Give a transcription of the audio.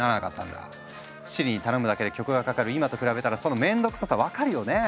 Ｓｉｒｉに頼むだけで曲がかかる今と比べたらその面倒くささ分かるよね？